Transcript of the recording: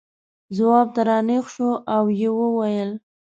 ځواب ته را نېغ شو او یې وویل.